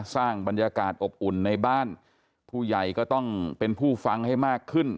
สร้างบรรยากาศอบอุ่นในบ้านผู้ใหญ่ก็ต้องเป็นผู้ฟังให้มากขึ้น